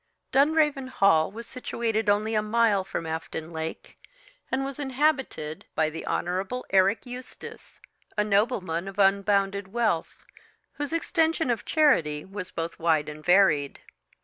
Dunraven Hall was situated only a mile from Afton Lake, and was inhabited by the Honourable Eric Eustace, a nobleman of unbounded wealth, whose extension of charity was both wide and varied.